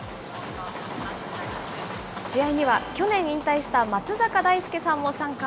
試合には去年、引退した松坂大輔さんも参加。